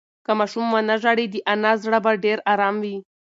که ماشوم ونه ژاړي، د انا زړه به ډېر ارام وي.